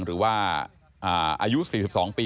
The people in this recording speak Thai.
หรือว่าอายุ๔๒ปี